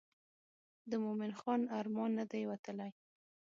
د مومن خان ارمان نه دی وتلی.